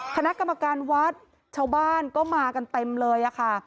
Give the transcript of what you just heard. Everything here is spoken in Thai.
คณะกรรมการวัดชาวบ้านก็มากันเต็มเลยค่ะ